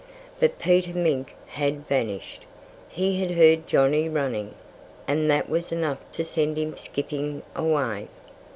But Peter Mink had vanished. He had heard Johnnie running; and that was enough to send him skipping away.